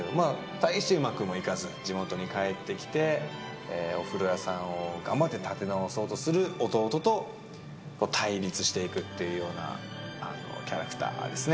大してうまくもいかず、地元に帰ってきて、お風呂屋さんを頑張って立て直そうとする弟と対立していくっていうようなキャラクターですね。